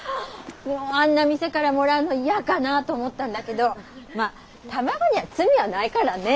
もうあんな店からもらうのイヤかなと思ったんだけどまあ卵には罪はないからね。